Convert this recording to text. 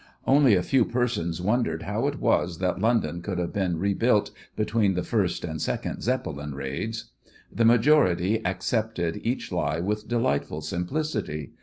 Only a few persons wondered how it was that London could have been rebuilt between the first and second Zeppelin raids. The majority accepted each lie with delightful simplicity.